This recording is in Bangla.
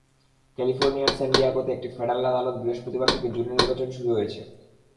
ক্যালিফোর্নিয়ার স্যান ডিয়েগোতে একটি ফেডারেল আদালতে বৃহস্পতিবার থেকে জুরি নির্বাচন শুরু হয়েছে।